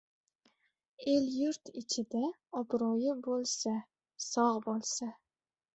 El-yurt ichida obro‘yi bo‘lsa, sog‘ bo‘lsa.